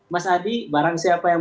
mas adi barang siapa yang